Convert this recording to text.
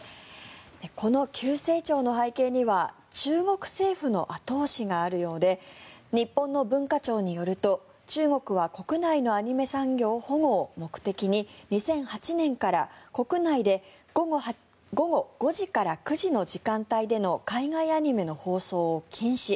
この急成長の背景には中国政府の後押しがあるようで日本の文化庁によると中国は国内のアニメ産業保護を目的に２００８年から国内で午後５時から９時の時間帯での海外アニメの放送を禁止。